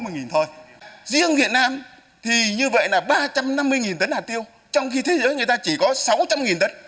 riêng việt nam thì như vậy là ba trăm năm mươi tấn hạt tiêu trong khi thế giới người ta chỉ có sáu trăm linh tấn